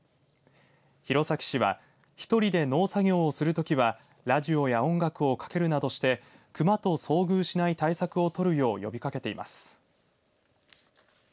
弘前市は１人で農作業をするときはラジオや音楽をかけるなどして熊と遭遇しない対策をとるよう呼びかけています。